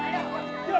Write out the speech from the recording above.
jalan jalan jalan